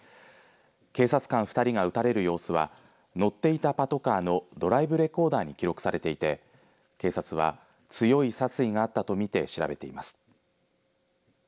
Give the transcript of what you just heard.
警察官２人が撃たれる様子は乗っていたパトカーのドライブレコーダーに記録されていて警察は強い殺意があったと見て調べています。